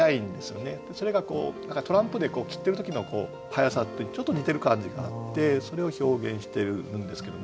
それがトランプで切ってる時の迅さとちょっと似てる感じがあってそれを表現してるんですけども。